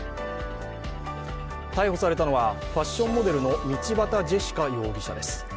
逮捕されたのはファッションモデルの道端ジェシカ容疑者です。